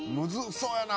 そうやな